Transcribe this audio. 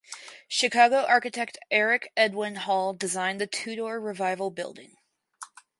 Chicago architect Eric Edwin Hall designed the Tudor Revival building.